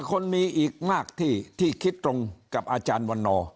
คนมีอีกมากที่คิดตรงกับอาจารย์วันนอร์